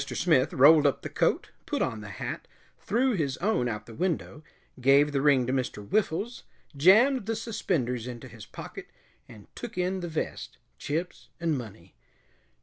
Smith rolled up the coat, put on the hat, threw his own out of the window, gave the ring to Mr. Whiffles, jammed the suspenders into his pocket, and took in the vest, chips and money.